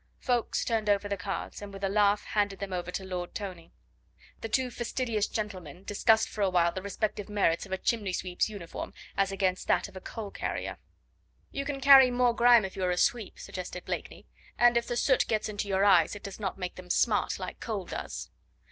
Ffoulkes turned over the cards, and with a laugh handed them over to Lord Tony. The two fastidious gentlemen discussed for awhile the respective merits of a chimney sweep's uniform as against that of a coal carrier. "You can carry more grime if you are a sweep," suggested Blakeney; "and if the soot gets into your eyes it does not make them smart like coal does."